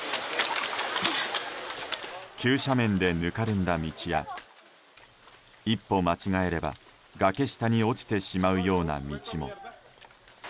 急斜面で、ぬかるんだ道や一歩間違えれば崖下に落ちてしまうような道も。